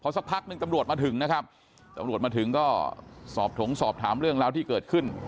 สักพักหนึ่งตำรวจมาถึงนะครับตำรวจมาถึงก็สอบถงสอบถามเรื่องราวที่เกิดขึ้น